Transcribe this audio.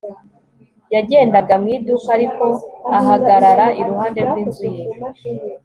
yagendaga mu iduka, ariko ahagarara iruhande rw'inzu ye